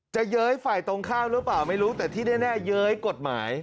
เย้ยฝ่ายตรงข้ามหรือเปล่าไม่รู้แต่ที่แน่เย้ยกฎหมาย